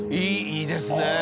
いいですね。